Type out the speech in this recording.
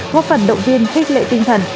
góp phần động viên khích lệ tinh thần